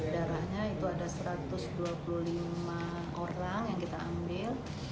darahnya itu ada satu ratus dua puluh lima orang yang kita ambil